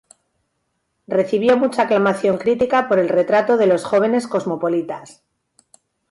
Recibió mucha aclamación crítica por el retrato de los jóvenes cosmopolitas.